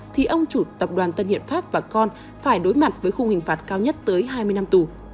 thì ông chủ tập đoàn tân hiệp pháp và con phải đối mặt với khung hình phạt cao nhất tới hai mươi năm tù